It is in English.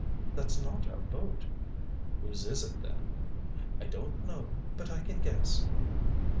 "That's not our boat." "Whose is it then?" "I don't know—but I can guess."